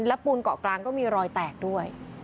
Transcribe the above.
และปูนเกาะกลางก็มีรอยแตกด้วย